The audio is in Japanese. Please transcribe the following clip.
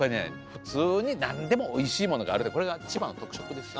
普通に何でもおいしいものがあるってこれが千葉の特色ですよ。